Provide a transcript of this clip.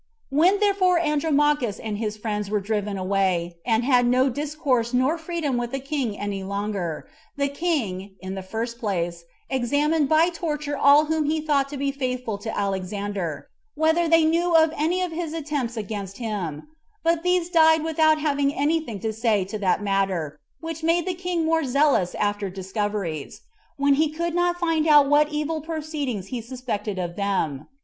When therefore Andromachus and his friends were driven away, and had no discourse nor freedom with the king any longer, the king, in the first place, examined by torture all whom he thought to be faithful to Alexander, Whether they knew of any of his attempts against him; but these died without having any thing to say to that matter, which made the king more zealous [after discoveries], when he could not find out what evil proceedings he suspected them of.